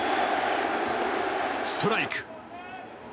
ストライク。